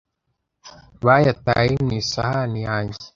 bayataye mu isahani yanjye.”